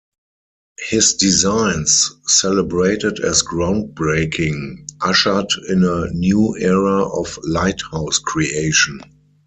His designs, celebrated as ground breaking, ushered in a new era of lighthouse creation.